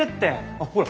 あっほら